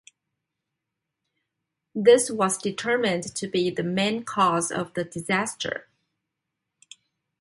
This was determined to be the main cause of the disaster.